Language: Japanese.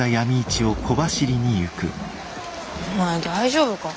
お前大丈夫か？